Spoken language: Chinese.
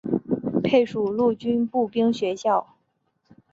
配属陆军步兵学校。